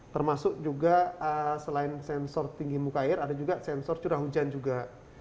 termasuk juga selain sensor tinggi muka air ada juga sensor curah hujan juga